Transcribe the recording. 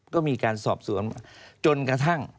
ก็มีการสอบส่วนมา